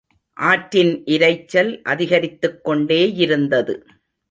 ஆற்றின் இரைச்சல் அதிகரித்துக்கொண்டேயிருந்தது.